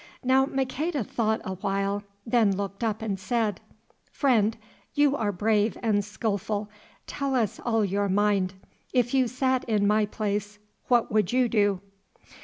Now Maqueda thought a while, then looked up and said: "Friend, you are brave and skilful, tell us all your mind. If you sat in my place, what would you do?"